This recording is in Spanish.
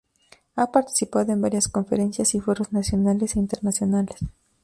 Ha participado en varias conferencias y foros nacionales e internacionales.